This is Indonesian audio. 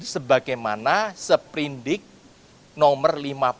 sebagaimana seprindik nomor lima puluh